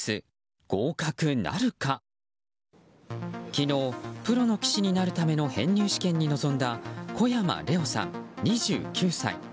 昨日、プロの棋士になるための編入試験に臨んだ小山怜央さん、２９歳。